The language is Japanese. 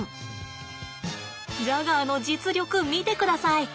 ジャガーの実力見てください！